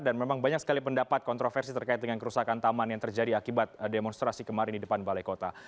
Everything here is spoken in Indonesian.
dan memang banyak sekali pendapat kontroversi terkait dengan kerusakan taman yang terjadi akibat demonstrasi kemarin di depan balai kota